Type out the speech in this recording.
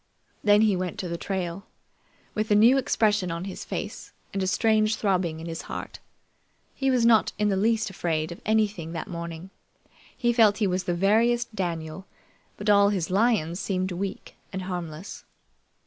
Then he went to the trail, with a new expression on his face and a strange throbbing in his heart. He was not in the least afraid of anything that morning. He felt he was the veriest Daniel, but all his lions seemed weak and harmless.